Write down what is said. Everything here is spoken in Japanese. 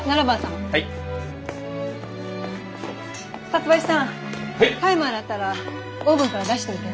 タイマー鳴ったらオーブンから出しておいて。